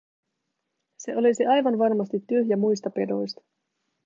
Se olisi aivan varmasti tyhjä muista pedoista.